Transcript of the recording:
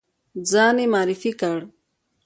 ځان یې معرفي کړ.